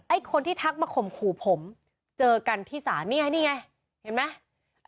คนที่ทักมาข่มขู่ผมเจอกันที่ศาลนี่ไงนี่ไงเห็นไหม